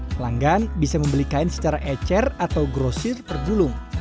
pelanggan bisa membeli kain secara ecer atau grosir per gulung